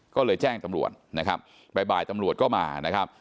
ก็เลยแจ้งตำรวจนะครับบ่ายตำรวจก็มานะครับ